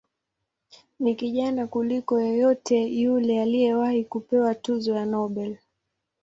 Ni kijana kuliko yeyote yule aliyewahi kupewa tuzo ya Nobel.